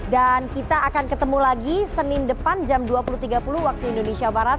dan kita akan ketemu lagi senin depan jam dua puluh tiga puluh waktu indonesia barat